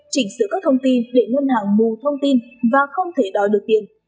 đối tượng sẽ sử dụng các thông tin để ngân hàng mù thông tin và không thể đòi được tiền